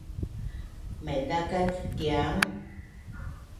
maiza kat Tiang?